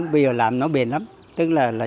bây giờ làm nó bền lắm tức là